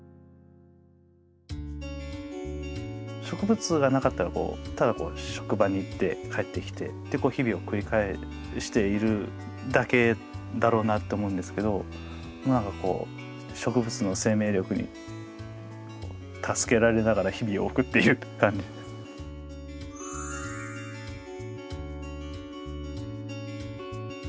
植物がなかったらただこう職場に行って帰ってきてってこう日々を繰り返しているだけだろうなって思うんですけど何かこう植物の生命力に助けられながら日々を送っているって感じです。